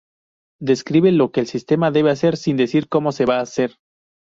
Describe lo que el sistema debe hacer sin decir cómo se va a hacer.